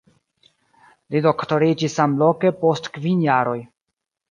Li doktoriĝis samloke post kvin jaroj.